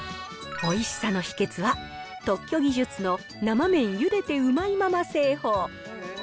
おいしさの秘けつは、特許技術の生麺ゆでてうまいまま製法。